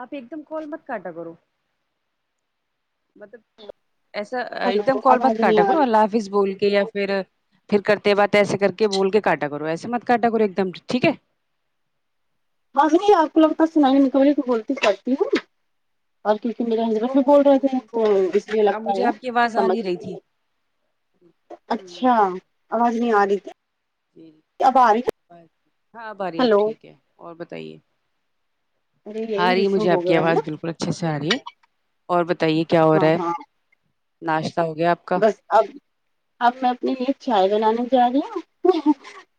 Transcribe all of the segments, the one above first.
آپ ایک دم کال مت کاٹا کرو مطلب ایسا ایک ہلو دم کال مت آواز نہیں کاٹا آ کرو رہی اللہ حافظ بول کے یا پھر پھر کرتے بات ایسے کر کے بول کے کاٹا کرو ایسے مت کاٹا کرو ایک دم ٹھیک ہے [unintelligible] بول اچھا رہے تھے لیکن وہ تو اس لیے اب لگتا مجھے ہے آپ کی آواز آ سمجھ نہیں رہی میں تھی ہوں ہوں ہوں ہاں آواز نہیں آ رہی کیا ہاں اب ہے؟ آرہی ہلو ٹھیک ہے اور بتائیے ارے آ یہی رہی ایشو مجھے ہو آپ کی گیا ہے نا آواز بالکل اچھے سے آ رہی ہے اور بتائیے کیا ہو رہا ہاں ہے ہاں ناشتہ ہو گیا آپ کا بس اب اب میں اپنے لیے چائے بنانے جا رہی ہوں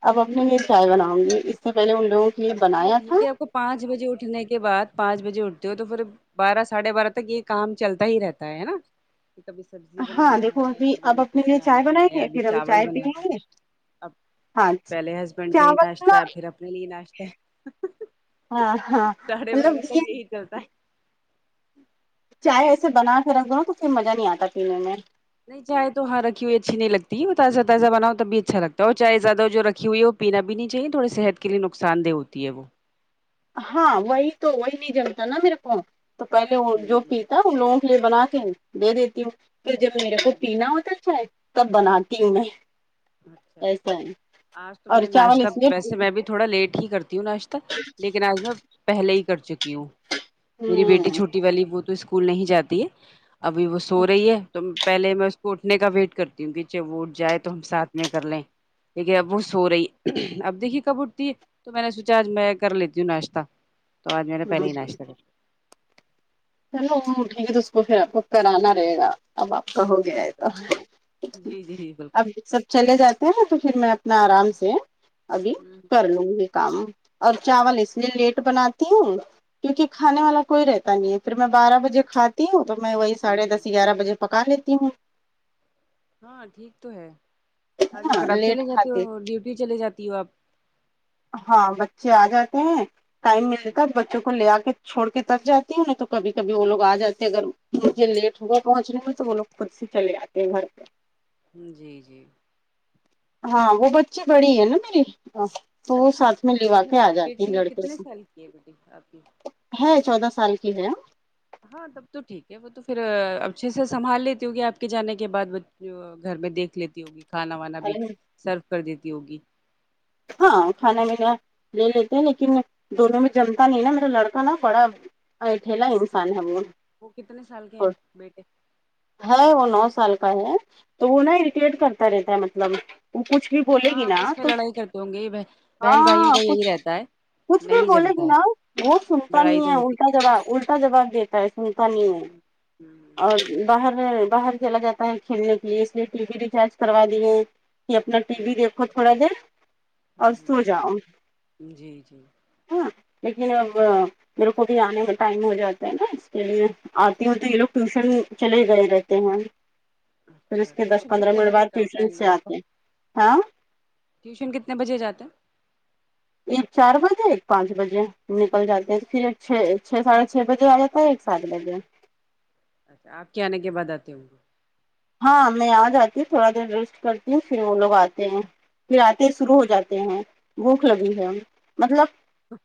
اپ اپنے لیے چائے بناؤں گی اس سے پہلے ان لوگوں کے لیے یہ بنایا تھا ٹھیک ہے آپ کو پانچ بجے اٹھنے کے بعد پانچ بجے اٹھتے ہو تو پھر بارہ ساڑھے بارہ تک یہ کام چلتا ہی رہتا ہے ہے نہ کہ کبھی سبزی ہاں بنانا دیکھو ہے ابھی کبھی اب اپنے روٹی لیے چائے بنانا بنائیں ہے یا گے کبھی پھر ہم چاول چائے پیئیں بنانا گے ہے اب ہاں پہلے ہسبینڈ کے لیے چاول نا ناشته ہے پھر اپنے لیے ناشتہ ہے ہاں ہاں ساڈھے مطلب بارہ تک یہ یہی چلتا ہے چائے ایسے بنا کے رکھ دو نہ تو پھر مزہ نہیں آتا پینے میں نہیں چائے تو ہاں رکھی ہوئی اچھی نہیں لگتی تازہ تازہ بناؤ تبھی اچھا لگتا اور چائے زیادہ جو رکھی ہوئی ہو پینا بھی نہیں چاہیے تھوڑے صحت کے لیے نقصاندہ ہوتی ہے وہ ہاں وہی تو وہی نہیں جمتا نا میرے کو تو پہلے وہ ہوں جو جی پیتا ہوں ان لوگوں کو پھر بنا کے دے دیتی ہوں پہر جب میرے کو پینا ہوتا چائے تب بناتی ہوں میں اچھا ایسا اچھا ہے آج تو میں اور نے چاول ناشتہ اس لیے ویسے میں بھی تھوڑا لیٹ ہی کرتی ہوں ناشتہ لیکن آج میں پہلے ہی کر چکی ہوں میری بیٹی ہوں چھوٹی والی وہ تو اسکول نہیں جاتی ہے ابھی وہ سو رہی ہے تو پہلے میں اس کو اٹھنے کا ویٹ کرتی ہوں کہ جب وہ اٹ جائے تو ہم ساتھ میں کر لیں لیکن اب وہ سو رہی اب دیکھیے کب اٹھتی ہے تو میں نے سوںچا آج میں کر لیتی ہوں ناشتہ تو آج میں نے پہلے ہوں، ہی ناشتہ کرلیا چلو وہ اٹھ گئی ہے تو اس پھر اپکو کرانا رہے گا اب آپ کا ہو گیا ہاں ہے تو جی جی جی بالکل اب سب چلے جاتے ہیں تو پھر میں اپنا آرام سے ابھی ہوں کر لوں گی کام اور چاول اس لیے لیٹ بناتی ہوں کیوںکی کھانے والا کوئی رہتا نہیں ہے پھر میں بارہ بجے کھاتی ہوں تو میں وہی ہوں ساڑھے ہوں دس گیارہ بجے پکا لیتی ہوں ہاں ٹھیک تو ہے ہے آنے نا پر آپ چلے لیٹ جاتے کھاتی ہو ڈیوٹی چلے جاتی ہو آپ ہاں بچے آ جاتے ہیں ٹائم ملتا ہے بچوں کو لے آ کے چھوڑ کے تب جاتی ہوں ن تو کبھی کبھی وہ لوگ آ جاتے ہیں اگر مجھے لیٹ ہو گا پہنچنے میں تو وہ لوگ خود سے چلے آتے ہے گھر پہ جی جی ہاں وہ بچی بڑی ہے نا میری تو وہ اچھا ساتھ میں لوا اچھا کے آ جاتی ہے بیٹی لڑکے کتنی سے سال کی ہے بیٹی آپ کی ہے چودہ سال کی ہے ہاں تب تو ٹھیک ہے وہ تو پھر اچھے سے سنبھال لیتی ہوگی آپ کے جانے کے بعد گھر میں دیکھ لیتی ہوگی کھانا وانا بھی سرو کر دیتی ہوگی ہاں کھانا بینا لے لیتے ہیں لیکن دونوں میں جمتا نہیں ہے نا میرا لڑکا نا بڑا اٹھلا انسان ہے وہ وہ کتنے سال کے ہیں بیٹے ہے وہ نو سال کا ہے تو وہ نا اریٹیٹ کرتا رہتا ہے مطلب وہ کچھ بھی بولے گی نا تو کہونگی بہن بھائیوں ہاں کا یہی کچھ رہتا ہے کچھ بھی نہیں بولے گی جمتا ہے نا وہ سنتا لڑائی نہیں تو ہے ہوتی الٹا جواب الٹا جواب دیتا ہے سنتا نہیں ہے ہم اور باہر باہر چلا جاتا ہے کھیلنے کے لیے اس لیے ٹی وی ریچارج کروا دیے کہ اپنا ٹی وی دیکھو تھوڑا دیر ھمم اور سو جاؤ ھمم جی جی ہاں لیکن اب میرے پاتی آنے کا ٹائم ہو جاتا ہے نا اس کے لیے آتی ہوں تو یہ لوگ ٹیوشن چلے ہی گئے رہتے ہیں پھر اس اچھا کے دس ٹیوشن پندرہ کتنے منٹ بجے بعد کا ہوتا ہے ٹیوشن ان سے لوگوں کا آتے ہاں ٹیوشن کتنے بجے جاتے ہے ایک چار بجے ایک پانچ بجے نکل جاتے ہیں پھر چھ چھ ساڑھے چھ بجے آ جاتے تو ایک سات بجے اچھا آپ کے آنے کے بعد آتے ہونگے ہاں میں آ جاتی ہوں تھوڑا دیر ریسٹ کرتی ہوں پھر وہ لوگ آتے ہیں پھر آتے شروع ہو جاتے ہیں بھوک لگی ہے مطلب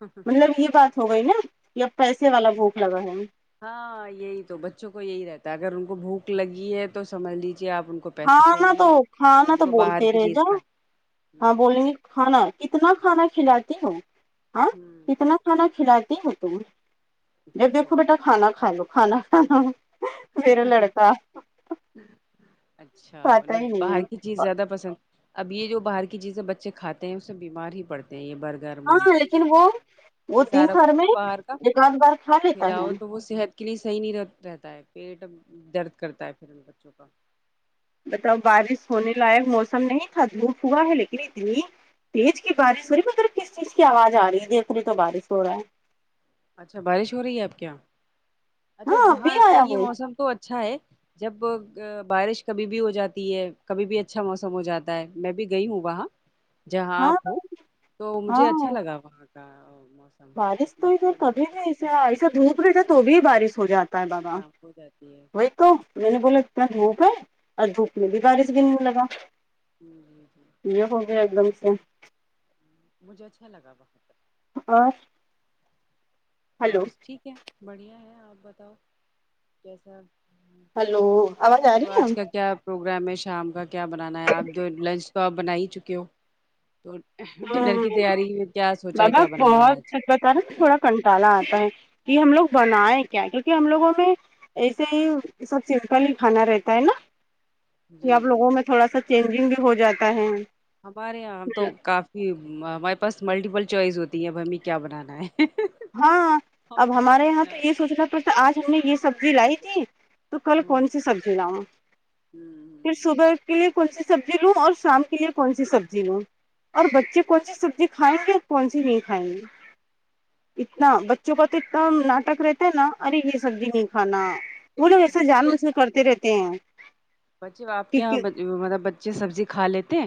گے مطلب یہ بات ہو گئی نا کہ اب پیسے والا بھوک لگا ہے ہاں یہی تو بچوں کو یہی رہتا ہے اگر ان کو بھوک لگی ہے تو سمجھ لیجیے آپ ان کو پیسے کھانا دو چاہیے کھانا دو نا بس تو وہ باہر بولتے کی رہے چیز جاو کھائیں ہاں بولیں گے کھانا کتنا کھانا کھلاتی ہو ہاں ہوں کتنا کھانا کھلاتی ہو تم دیکھو بیٹا اچھا کھانا کھالو کھانا کھالو اچھا کھاتا انیں ہی نہیں ہے باہر کی جیز زیادہ پسند اب یہ جو باہر کی چیزیں بچے کھاتے ہیں اس میں بیمار ہی پڑتے ہیں یہ بر گر ہاں موموز لیکن وہ چاؤمین وہ یہ دن سارا بھر کچھ میں نا باہر کا ایک آدھ بار کھا لیتا ہے کھلاو تو وہ صحت کے لیے صحیح نہیں رہتا ہے پیٹ درد کرتا ہے پھر ان بچوں کا بتاؤ بارش ہونے لائق موسم نہیں تھا دھوپ ہوا ہے لیکن اتنی تیج کی بارش ہو رہی مطلب کس چیز کی آواز آ رہی ہے دیکھ رہے تو بارش ہو رہا ہے اچھا بارش ہو رہی ہے آپ کے یہاں اچھا ہاں ابھی وہاں کا آیا یہ وہ موسم تو اچھا ہے جب بارش کبھی بھی ہو جاتی ہے کبھی بھی اچھا موسم ہو جاتا ہے میں بھی گئی ہوں وہاں جہاں ہاں آپ ہو تو مجھے اچھا ہاں لگا وہاں کا موسم بارش تو ادھر ایٹموسفیئر کبھی بہت نہیں ایسے اچھا ایسے دھوپ رہتے تو بھی بارش ہو جاتی شام ہو جاتی ہے [unintelligible] تو میں نے بولا اتنا دھوپ ہے اور دھوپ میں بھی بارش گرنے لگا جی جی جی یہ ہو گے ایک دم سے مجھے اچھا لگا اور اور ہلو ٹھیک ہے بڑھیا ہے آپ بتاؤ کیسا ہلو آواز آ تو رہی ہے آج کا کیا پروگرام ہے شام کا کیا بنانا ہے آپ جو لنچ تو بنا ہی چکے ہو تو ڈنر ہاں کی تیاری میں کیا سوچا ہے کیا بنانا ہے آج مٹالا آتا ہے کہ ہم لوگ بنیں کیا کیونکہ ہم لوگوں میں ایسے ہی سب سمپل ہی کھانا رہتا ہے نا کہ جی آپ جی لوگوں میں تھوڑا سا چینجنگ بھی ہو جاتا ہے ہمارے یہاں ہم تو کافی ہمارے پاس ملٹیپل چوائز ہوتی ہے اب ہمیں کیا بنانا ہے ہاں ہم اب ہمارے یہاں کیا تو یہ سوچ رہا تھا تو آج ہم نے یہ سبزی لائی تھی تو کل ہوں کون سی سبزی لاؤں پھر ہوں صبح کے لیے کون سی سبزی لوں اور شام کے لیے کون سی سبزی لوں اور بچے کون سی سبزی کھائیں گے اور کون سی نہیں کھائیں گے اتنا بچوں کا تو اتنا ناٹک رہتا ہے نا ارے یہ سبزی نہیں کھانا پھر وہ لوگ ایسا جان بچے بوجھ کے کرتے رہتے ہیں بچے آپ کے یہاں کیونکہ مطلب بچے سبزی کھا لیتے ہے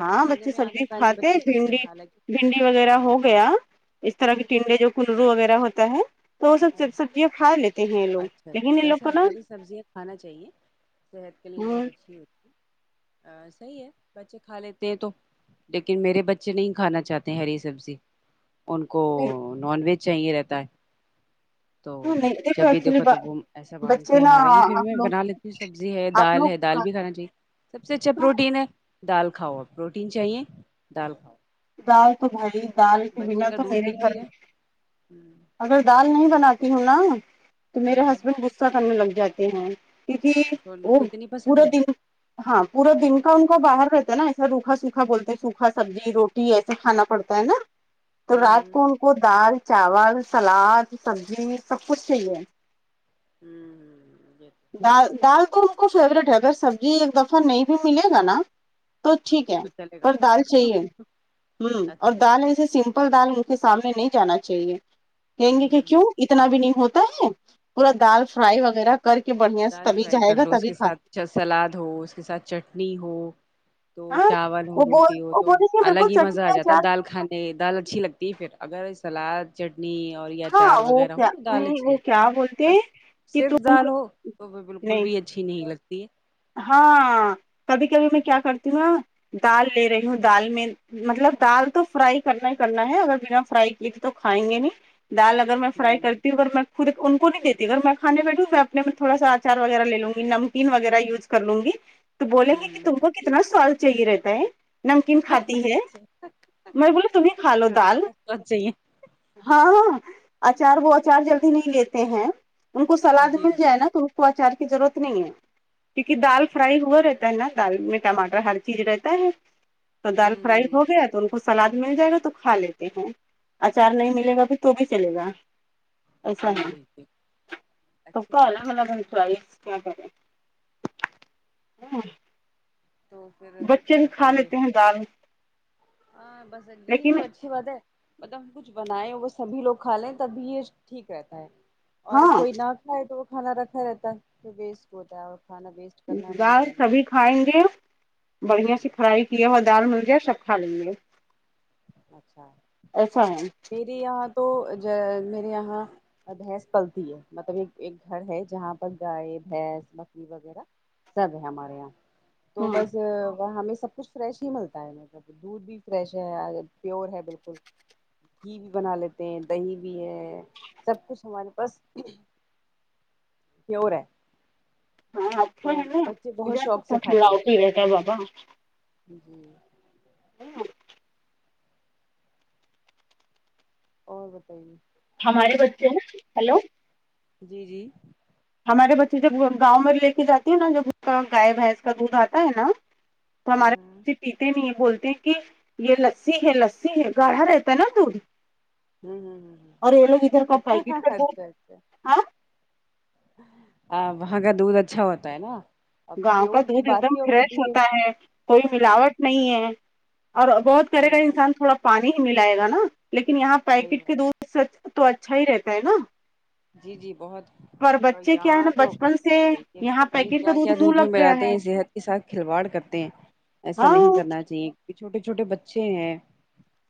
ہاں بچے سبزی کھاتے بھنڈی حالانکہ بھنڈی وغیرہ ہاں ہو گیا اس طرح کے ٹنڈے جو کنرو وغیرہ ہوتا ہے تو وہ سب ہاں سبزیاں کھا لیتے ہیں یہ لوگ اچھا لیکن ان اچھا لوگ ویسے کو نا ہری سبزیاں کھانا چاہیے صحت کے لیے بہت اچھی ہوتی صحیح ہے بچے کھا لیتے ہیں تو لیکن میرے بچے نہیں کھانا چاہتے ہری سبزی ان کو نون ویج چاہیے رہتا ہے تو نہیں جب بھی ایکچولی دیکھو تب وہ ایسا بانتے بچے ہیں نا حالکہ پھر آپ میں لوگ بنا لیتی ہوں سبزی زی ہے آپ دال لوگ ہے دال بھی کھانا چاہیے سب سے اچھا ہاں پروٹین ہے دال کھاؤ اور پروٹین چاہیے دال کھاؤ دال تو بھائی دال کے بنا تو میرے گھر ہوں اگر دال نہیں بناتی ہوں نا تو میرے ہوں ہسبینڈ غصہ کرنے لگ جاتے ہیں کیو کی ان وہ کو اتنی پورا پسند ہے دن ہاں پورا دن کا ان کا باہر رہتا ہے نا ایسا روکھا سوکھا بولتے ہیں سوکھا سبزی روٹی ایسے کھانا پڑتا ہے نا تو رات ہوں کو ان کو دال چاول سلاد سبزی سب کچھ چاہیے ہوں یہ ڈال ڈال تو فیوریٹ ہے اگر سبزی ایک دفہ نہیں بھی ملے گا نا تو ٹھیک ہے تو چلے گا پر دال چاہیے ہ اور اچھا دال ایسے س سپل دال ان کے سامنے نہیں جانا چاہیے کہیں گے کہ کیوں اتنا بھی نہیں ہوتا ہے پورا دال فرائی وغیرہ کر کے بڑھیا سے تبھی جائے گا تبھی کھاتا اچھا سلاد ہو اس کے ساتھ چٹنی ہو تو ہاں چاول ہو وہ بول روٹی ہو وہ تو بولے کہ الگ بالکل ہی چٹنی مزہ آ جاتا ہے اچار دال کھانے دال اچھی لگتی ہے پھر اگر سلاد چٹنی اور یا اچار ہاں وہ وغیرہ ہو کیا تو دال اچھی وہ لگتی ہے کیا بولتے ہیں بس کہ صرف تم دال ہو تو وہ بالکل نہیں بھی اچھی نہیں لگتی ہے ہاں کبھی کبھی میں کیا کرتی ہوں نہ دال لے رہی ہوں دال میں مطلب دال تو فرائی کرنا ہی کرنا ہے اگر بنا فرائی کیے تھے تو کھائیں گے نہیں دال ا اگر میں فرائی کرتی ہوں گھر میں ا ان کو نہیں دیتی اگر میں کھانے بیٹھوں میں اپنے میں تھوا اچار وغیرہ لے لوںی نمکین وغیرہ یوز کر لوں گی تو بولیں ہوں گے کہ تم ہوں کو کتنا سواد چاہیے رہتا ہے نمکین کھاتی ہے میں بولا تمیں کھا اچھا لو کے دال ساتھ سواد چاہیے ہاں ہاں اچار وہ اچار جلدی نہیں لیتے ہیں ان کو سلاد جی مل جائے جی نا تو ان کو آچار کی ضرورت نہیں ہے کیونکہ دال اچھا فرائی ہوا رہتا ہے نا دال میں ٹماٹر ہر چیز رہتا ہے تو دال ہوں فرائی ہو ہوں گیا تو ان کو سلاد مل جائے گا تو کھا لیتے ہیں اچار نہیں ملے گا بھی تو بھی چلے گا ایسا ہوں ہے جی جی سب اچھی کا بات الگ الگ ہے چوائس کیا کر رہے تھے ہاں تو پھر بچے بھی کھا بتائیے لیتے ہیں دال ہاں بس یہی لیکن تواچھا اچھی بات ہے مطلب ہم کچھ بنائیں وہ سبھی لوگ کھا لیں تب بھی یہ ٹھیک رہتا ہے اور ہاں کوئی نہ کھائے تو وہ کھانا رکھا رہتا ہے تو ویسٹ ہوتا ہے اور کھانا ویسٹ کرنا نہیں دال چاہیے سبھی کھائیں گے بڑھیا سے فرائی یہاں دال مل جائے سب کھا لیں گے اچھا ایسا ہے میرے یہاں تو جوہے میرے یہاں اور بھینس پلتی ہے مطلب ایک ایک گھر ہے جہاں پر گائے بھینس بکری وغیرہ سب ہے ہمارے یہاں تو ہاں بس وہ ہمیں سب کچھ فریش ہی ملتا ہے دودھ بھی فریش ہے پیور ہے بالکل گھی بھی بنا لیتے ہیں دہی بھی ہے سب کچھ ہمارے پاس پیور ہیں ہاں تو بچے بہت شوق سے کھاتے ہیں پی لیتے ہے بابا بلکل اور بتائیے ہمارے بچے ہیں نہ ہیلو جی جی ہمارے بچے جب گاؤں میں لے کے جاتی ہے نا جب اسکا گائے بھینس کا دودھ آتا ہے نا ہوں ہمارےبچے پیتے نہیں ہے بولتے ہیں کہ یہ لسی ہے لسی ہے گاڑھا رہتا ہے نا دودھ ہوں ہوں ہوں ہوں اور یہ لوگ ادھر کا پیکٹ کا دودھ اچھا اچھا ہاں آ وہاں کا دودھ اچھا ہوتا ہے نا اب گاؤں کا پیور کی دودھ ایک بات دم ہی اور فریش ہوتی ہوتا ہے کوئی ہوں ملاوٹ نہیں ہے اور بہت کرے گا صحیح بات انسان تھوڑا پانی ہی ملائے گا نا لیکن یہاں صحیح پیکٹ کے بات دودھ سے تو اچھا ہی رہتا ہے نا جی جی بہت پر بچے کیا ہے نا یہاں تو بچپن کچھ سے مت کہیے یہاں پتا نہیں پیکٹ کا کیا کیا منہ دودھ میں لگ گیا ملاتے ہے ہیں صحت کے ساتھ کھلواڑ کرتے ہیں ایسا ہاں نہیں کرنا کہ چھوٹے چھوٹے بچے ہیں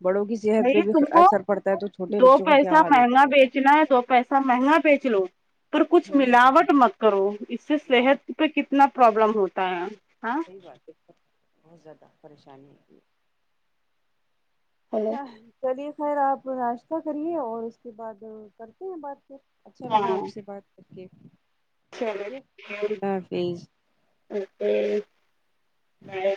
بڑوں کی صحت پہ نہیں بھی تم کو اثر پڑتا ہے تو چھوٹے دو بچوں کا کیا پیسہ حال ہوتا مہنگا ہوگا بیچنا ہے دو پیسہ مہنگا بیچ لو پر کچھ ہوں ہوں ملاوٹ مت کرو اس سے ملاوٹ صحت پہ کت نا پرابلم ہوتا ہے ہاں واقع میں بہت زیادہ پریشانی ہے ہلو چلیے خیر آپ ناشتہ کریے اور اس کے بعد کرتے ہیں بات پھر اچھا لگا ہاں آپ سے بات کر کے اوکے چلو اللہ حافظ اوکے بائے